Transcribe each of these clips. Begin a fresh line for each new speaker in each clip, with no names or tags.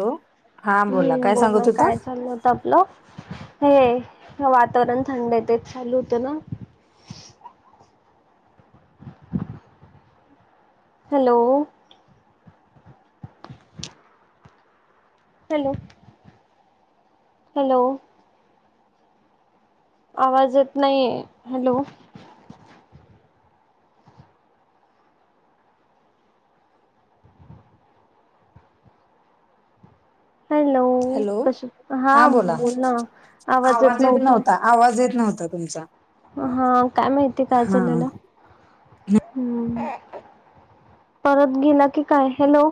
Hello हा बोला
हम्
काय
बोल
सांगत
ना
होता
काय चाललंत? तपलं हे वातावरण थंडय तेच चालू होतं ना? हॅलो हॅलो हॅलो आवाज येत नाहीये हॅलो हॅलो
हॅलो
कस हा बोल ना आवाज येत नव्हत.
आवाज येत नव्हता तुमचा.
हा काय माहिती काय
हा
झालेल. हम्म, परत गेला की काय हेलो.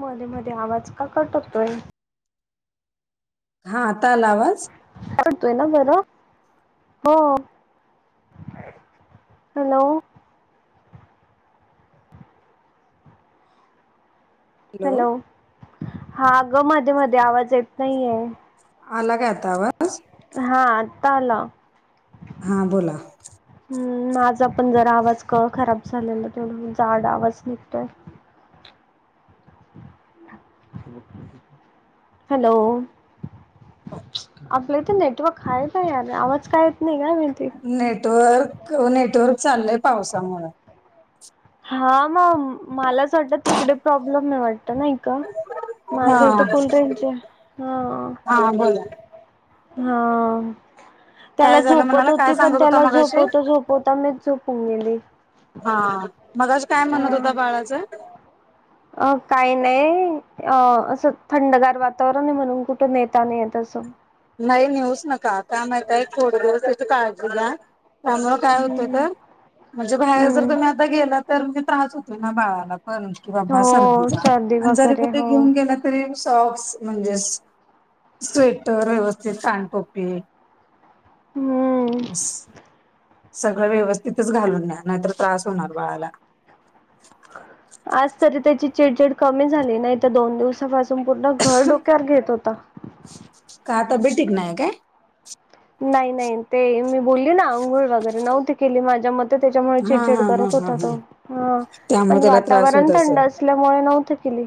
मधे मधे आवाज का कट होतोय?
हा आता आला आवाज?
पडतोय ना बरं? हो. हॅलो हॅलो हा गं मधे मधे आवाज येत नाहीये.
आला ग आतावा
हा आता आला.
हां बोला.
[unintelligible] हम् माझा पण जरा आवाज क खराब झालेला तेवढ जाड आवाज निघतोय. हॅलो आपलं इथे नेटवर्क आहे का यार आवाज का येत नाही का माहिती.
नेटवर्क नेटवर्क चाललंय पावसामुळ.
हा मग मला अस वाटत तिकडे प्रॉब्लेम नाही वाटत नाही का
हा
माझ्या इथं फुल रेंज आहे हा. ह त्याला
काय झालं
झोपवत
म्हणाला काय
होती पण
सांगत होता
त्याला
मगाशी
झोपवता झोपवता मीच झोपून गेली.
हा मगज काय म्हणत
हा.
होता बाळाचं?
अ काही नाही. अ असं थंडगार वातावरण आहे म्हणून कुठं नेता नाही येत असं.
नाही नेऊच नका काय माहितय थोड दिवस त्याची काळजी घ्या. त्याांमुळ काय होत
हम्म
होतं? म्हणजे बाहेर जर
हम्म.
तुम्ही आता गेला तर ते त्रास होतो ना बाळाला पण. कि बाबा
हो
सर्दीचा
सर्दी
आणि जरी
वगैरे
कुठे
हो
घेऊन गेला तरी म सॉक्स म्हणजे स्वेटर व्यवस्थित कान टोपी
हम्म
अस सगळं व्यवस्थितच घालून न्या नाहीतर त्रास होणार बाळाला.
आज तरी त्याची चिडचिड कमी झाली नाही तर दोन दिवसापासून संपूर्ण घर डोक्यावर घेत होता.
काय तब्येत ठीक नाही ये काय?
नाही नाही ते मी बोलली ना अंघोळ वगैरे नव्हती केली माझ्या मते. तर त्याच्यामुळे
हा
चिडचिड
हा हा
करत
हा
होता
हा
तो हा
त्यामुळे
पण
त्याला त्रास होत
वातावरण थंड
असेल
अस असल्यामुळे नव्हते केली.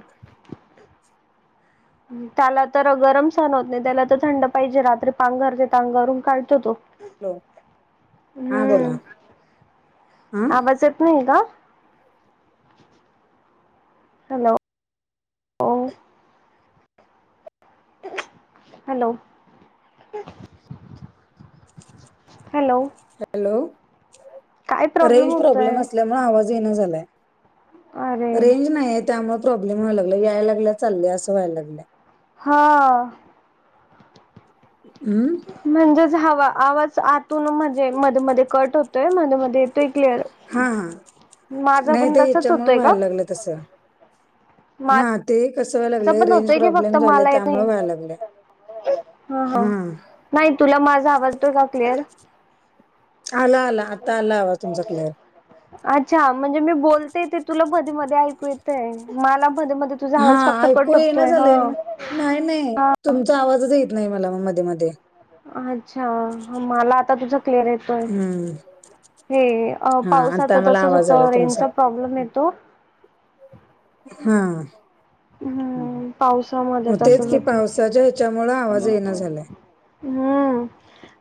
त्याला तर गरम सण होत नाही त्याला तर थंड पाहिजे रात्री पांघरते तर अंगावरून काढतो तो.
हो
हम्म
हा
आवाज येत नाही ये का? हॅलो हॅलो हॅलो
हॅलो
काय
रेंज प्रॉब्लेम
होतोय?
असल्या मू आवाज यायाना झालाय
अरे
रेंज नाही येत. त्यामुळे प्रोब्लेम व्हायला लागला यायला लागला चालले असं व्हायला लागलं.
हा
हमंम
म्हणजेच हवा आवाज आतून म्हणजे मध्ये मध्ये कट होतोय मध्ये मध्ये त क्लिअर
हा हा
माझा पण तसच होतोय का?
तस हा
माझा
ते कसं व्हाय लागलं
पण
रेंज
होतोय की फक्त
प्रॉब्लेम झाले
मला येत
त्यामुळे
नाही
व्हाय लागलं
हा
ह
हा नाही तुला माझा आवाज येतोय का क्लिअर.
आला आला आता आला आवाज तुमचा क्लिअर.
अच्छा म्हणजे मी बोलते ते तुला मध्ये मध्ये ऐकू येत. मला मध्ये मध्ये तुझा
हा
आवाज फक्त
ऐकू
कट
येईना
होतोय ह.
झालंय नाही नाही तुमचा आवाजच येत नाही मला मध्ये मध्ये.
अच्छा मग मला आता तुझं क्लिअर ये
हम्म
हे
हा
पावसाच
आता मला आवाज
तसंच
आला
रेंज
तुमचा
चा प्रॉब्लेम येतो.
हू
हम्म पावसामध्ये
मग तेच
तसच
की
होत.
पावसाच्या ह्याच्यामुळे आवाज येईना झालाय
हम्म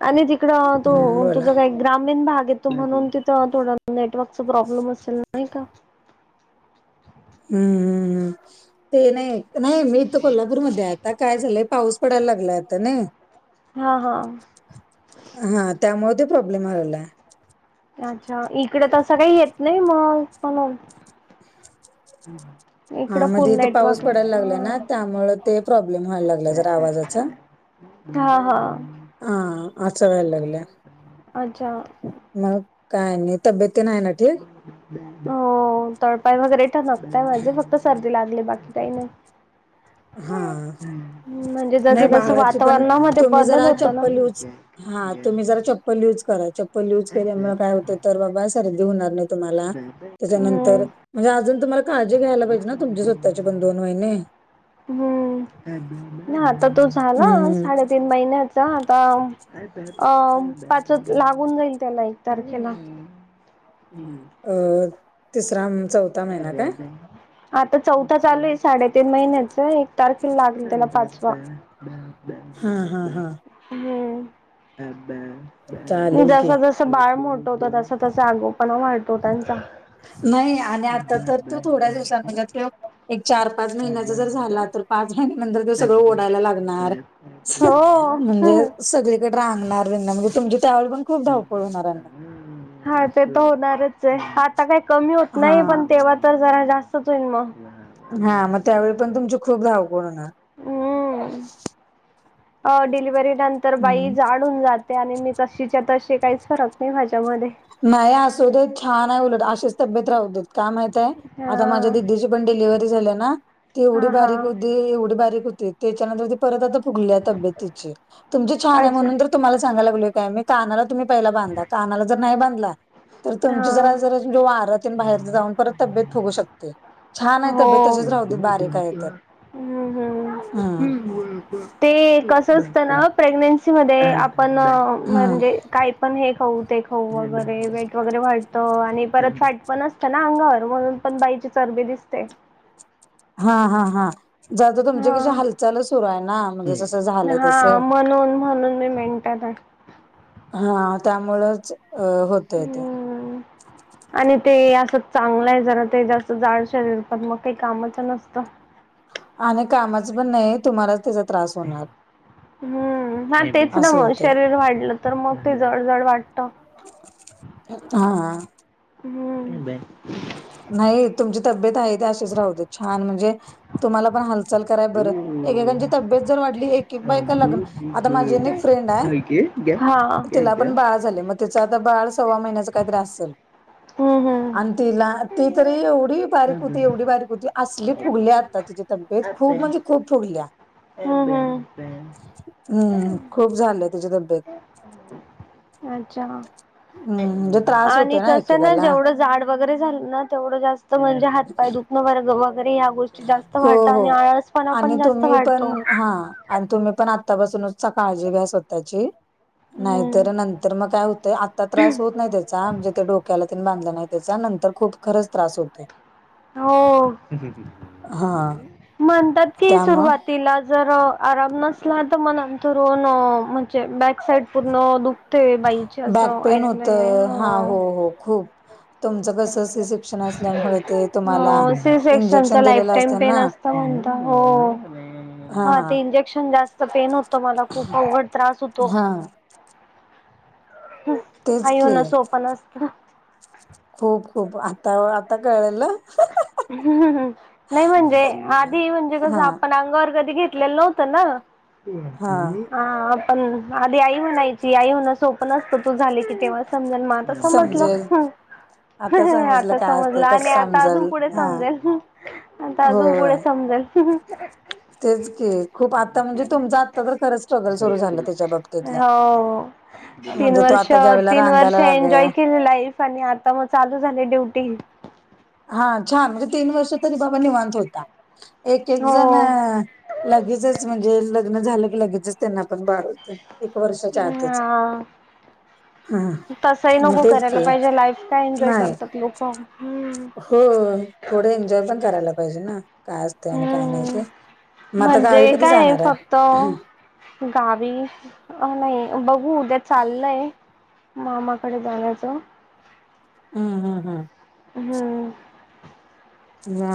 आणि तिकडं
हम्म
तो
बोला
तुझं काय. ग्रामीण भाग येतो म्हणून तिथं थोडं नेटवर्कचा प्रॉब्लेम असेल नाही का?
हम्म हम्म हू ते नाही नाही मी इथ कोल्हापूरमध्ये ये आता काय झालंय. पाऊस पडायला लागलाय आता नाही.
हा हा
हा त्यामुळे ते प्रॉब्लेम व्हायला लागलाय.
अच्छा इकडे तसं काही येत नाही मग म्हणून.
हा
इकडं फुल
मध्ये इथं पाऊस
नेटवर्क
पडायला लागलाय ना
आहे
त्यामुळे ते प्रॉब्लेम व्हायला लागला जरा आवाजाचा.
हा हा
हा असा व्हायला लागलं
अच्छा
मग काय आणि नाही तब्येती नाही ना ठिक.
हो तळपाय वगैरे ठणकताय माझे फक्त सर्दी लागली बाकी काही नाही.
हा
म्हणजे
नाही
जसं जसं
बाळाची पण
वातावरणामध्ये
तुम्ही
बदल
जरा
होतो ना
चप्पल यूज हा तुम्ही जरा चप्पल यूज करा, चप्पल यूज केल्यामुळे काय होतं तर बाबा सर्दी होणार नाही. तुम्हांला
हम्म.
त्याच्यानंतर म्हणजे अजून तुम्हांला काळजी घ्यायला पाहिजे ना, तुमचे स्वतःचे पण दोन महिने
हं... नाह आता तो झाला
हम्म
साडेतीन महिन्याच त आता अं पाच लागून जाईल त्याला एक तारखेला,
अं... तिसरा अम चौथ
आता चौथा चालू आहे, साडेतीन महिन्याच एक तारखेला लागल त्याला पाचवा,
हा हा हा
हम् अब ब
चालेल की
जसा जस जसं बाळ मोठ होतं तसं -तसं आगोपणा वाढतो त्यांचा,
नाही आणि आता तर तो थोड्या दिवसां म्हणजे त्यो एक चार-पाच महिन्याचा जर झाला तर, पाच महिन्या नंतर त्यो
हा
सगळं ओढायला लागणार, म्हणजे सगळीकडे रांगणार्यांना म्हणजे तुमची त्यावेळी पण खूप धावपळ होणार्यांना,
हा ते तर होणारच आहे, आता काही कमी होत
हा
नाही, पण तेव्हा तर जरा जास्तच होईन मग.
हा मग त्यावेळी पण तुमची खूप धावपळ होणार.
हूं... अ डिलिव्हरी नंतर बाई
होणार.
जाड हून जात ते आणि मी तशीच्या-तशी काहीच फरक नाही माज्यामध्ये.
नाही असू दे छान आहे उलट, अशीच तब्येत राहू देत का माहितय आता माझ्या
हा
दिदीची पण डिलिव्हरी झाल्या ना, ती एवढी
हा हा
बारीक होती, एवढी बारीक होती, त्याच्यानंतर ते परत आता फुगली तब्येत तिची तुमची छान आहे
अच्छा
म्हणून तर, तुम्हांला सांगाय लागलोय काय मी, कानाला तुम्ही पहिला बांधा कानाला जर नाही बांधलात तर
हा
तुमची जरा जर वारं तेन बाहेरचं जाऊन परत तब्येत फुगू शकते. छान आहे तब्येत
हो..
तशीच राहू
एक,
दे
दोन,
बारीक
तीन,
आहे तर
चार... हूं.
हम्म
हुं. हूं... ते कसं असतंना प्रेग्नेन्सी मध्ये आपण
हम्म
म्हणजे काय- पण हे खाऊ, ते खाऊ, वगैरे वेट वगैरे वाढतं, आणि परत फॅट पण असतं ना अंगावर म्हणून- पण बाईची चरबी दिसते.
हा. हा. हा. जरा आता तुमची
हा
कशी हालचालच सुरू आहे ना, म्हणजे जसं
हम्म
झालंय तस.
हा म्हणून म्हणून [unintelligible]
हा त्यामुळंच अ होतंय ते.
हम्म आणि ते असं चांगलं आहे जरा ते जास्त जाड शरीर पण मग काही कामाचं नसतं.
आणि कामाचं पण नाही तुम्हालाच त्याचा त्रास होणार,
हम्म हा तेच ना
असं
मग
होते
शरीर वाढलं, तर मग ते जड जड वाटतं.
हा. हां..
हूं...
नाही तुमची तब्येत आहे ते अशीच राहू दे छान म्हणजे तुम्हांला पण हाल - चाल कराय बरं
हम्म
एकेकांची तब्येत जर वाढली, एक -एक
हा
बायका लग्
हम्म
आता माझे
हम्म
एक फ्रेंड हाय, तिला पण बाळ झालं मग तिचं आता बाळ सव्वा महिन्याच काहीतरी असल,
हूं.. हूं..
आणि तिला ती तरी एवढी, बारीक होती एवढी बारीक होती, असली फुगल्या आता तिची तब्येत खूप म्हणजे खूप फुगल्या.
हूं.. हूं.
हूं.... खूप झाल्या तिची तब्बे -
[unintelligible] अच्छा
हम्म म्हणजे त्रास
आणि
होतोय ना
कसा न
एकेकाला
जेवढं झाड- वगैरे झाल ना तेवढं जास्त म्हणजे हात पाय दुखणं वगैरे ह्या गोष्टी - जास्त
हो,
वाढतात, आणि
हो.
आळसपणा
आणि
पण जास्त
तुम्ही पण
वाढतो.
हां आणि तुम्ही पण आत्तापासूनच काळजी घ्या स्वतःची.
हम्म
नाहीतर नंतर मग काय होतंय, आत्ता त्रास होत नाही त्या- चा म्हणजे ते डोक्याला तेन बांधलं नाही त्याचा नंतर खूप खरंच त्रास होतोय.
हो,
हां
म्हणतात कि
त्यामुळं
सुरुवातीला- जर आराम नसला तर मग नंतरून म्हणजे बॅक साईड पूर्ण दु- ते बाईची
बॅक
असं,
पेन
ऐकलंय मी.
होतं हां हो, हो खूप. तुमचं कसं सी सेक्शन असल्यामुळं ते
हो
तुम्हाला
सी सेक्शन
इंजेक्शन
च लाईफ
दिलेलं
टाइम
असतं
पेन
ना.
असत. म्हणतात, हो
हां,
हा
हां,
ते इंजेक्शन जास्त पेन होतं मला खूप अवघड त्रास होतो.
हां
हम
तेच
आई
की
होन सोप नसत.
खूप, खूप आता आता कळलं.
ह् नाही म्हणजे आधी म्हणजे कसं
हां,
आपण अंगावर कधी घेतलेलं नव्हतं. नव्हतं
हां.
ना हा आपण आधी आई म्हणायची आई होण सोप नसत. तू झाली की तेंव्हा - समजण, मग आता समजलं
समजेल आता समजलं
आता
काय असते
समजलं आणि
कस
आता अजून-
समजल
पुढे
हा
समजेल, आता अजून पुढे
होय
समजेल.
तेच की खूप आता म्हणजे तुमचा आत्ता तर खरंच स्ट्रगल सुरू झालं त्याच्या बाबतीतला
हो तीन
म्हणजे तो
वर्ष,
आता ज्या वेळेला
तीन वर्ष
रांगायला लाग
एन्जॉय केली लाईफ. आणि आता मग चालू झाली ड्युटी.
हा छान म्हणजे तीन वर्ष तरी बाबा निवांत होता. एक एक
हो
जण लगेचच म्हणजे लग्न झालं की लगेचच. त्यांना पण बाळ होतय, एक वर्षाच्या आतच.
हा
हा
तसही
मग
नको
तेच
करायला
की
पाहिजे लाईफ काय एन्जॉय
नाही
करतात लोक हम्
हो थोडं एन्जॉय पण करायला पाहिजे ना. काय असते आणि काय नाही ते,
हम्म
मग आता गावी
म्हणजे
कधी
काय
जाणार
फक्त
आहे?
गावी नाही बघू उद्या चाललंय. मामाकडे जाण्याचं
हम्म हम्म हम्
हम्म
या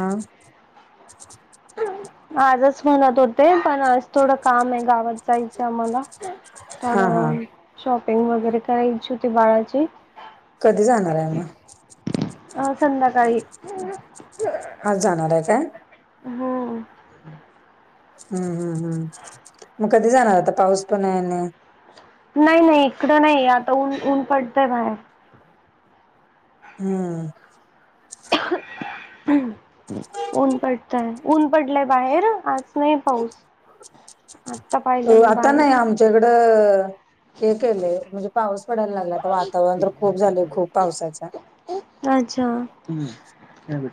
आजच म्हणत होते पण आज थोडं काम आहे गावात जायचं आम्हाला.
हा हा
थोडं शॉपिंग वगैरे करायची होती बाळाची.
कधी जाणार आहे मग?
अ संध्याकाळी.
आज जाणार आहे काय?
हम्म
हम्म हम्म हम्, मग कधी जाणार आता पाऊस पण आहे आणि
नाही नाही इकडं नाही आता ऊन ऊन पडतय बाहेर
हम्म
ऊन पडत आहे ऊन पडलंय बाहेर आज नाही पाऊस. आत्ता
अ
पाहिलं मी
आता नाही
बाहेर
आमच्याकडं हे केलंय म्हणजे पाऊस पडायला लागला आता वातावरण तर खूप झालय खूप पावसाच.
अच्छा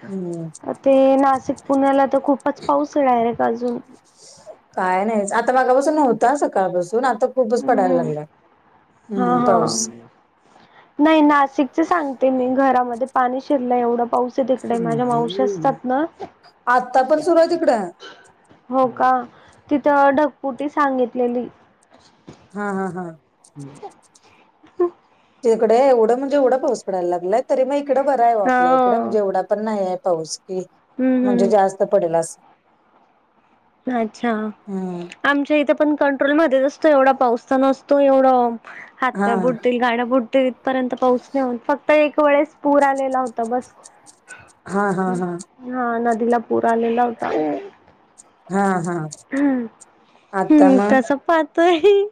हम्म
ते नाशिक पुण्याला तर खूपच पाऊस आहे डायरेक्ट अजून
काय नाही आता मागापासून नव्हता सकाळपासून आता खूपच पडायला
हम्म
लागलाय
हा
हम्म
हा
पाऊस.
नाही नाशिकच सांगते मी घरामध्ये पाणी शिरलं एवढं पाऊस आहे तिकडे माझ्या मावशी असतात ना,
आता पण सुरू आहे तिकडं?
हो का तिथं ढगफूटी सांगितलेली.
हा हा हा.
हम
तिकड एवढं म्हणजे एवढं पाऊस पडयला लागलाय तरी मग इकडं बरं आहे वा
हा
आपल्या इकडे म्हणजे एवढा पण नाही आहे पाऊस.
हम्म
म्हणजे
हम्म
जास्त पडेल अस.
अच्छा आमच्या इथे पण कंट्रोलमध्येच असतो एवढा पाऊसच नसतो एवढं
हा
हात बुटतील गाणं बुट थपर्यंत [unintelligible] फक्त एक वेळेस पूर आलेला होता बस.
हा हा हा.
हा नदीला पूर आलेला होता.
हा हा.
हम्
आता
हम्म
मग
कस पाहतोय.